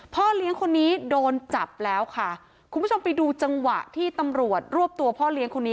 พ่อเลี้ยงคนนี้โดนจับแล้วค่ะคุณผู้ชมไปดูจังหวะที่ตำรวจรวบตัวพ่อเลี้ยงคนนี้